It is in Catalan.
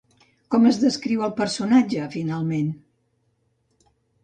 Com es descriu al personatge finalment?